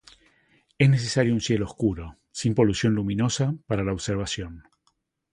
Es necesario un cielo oscuro, sin polución luminosa, para la observación.